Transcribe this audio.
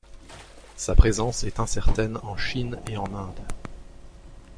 Sa présence est incertaine en Chine et en Inde.